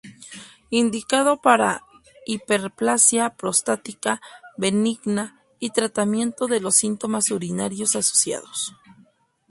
Indicado para hiperplasia prostática benigna y tratamiento de los síntomas urinarios asociados.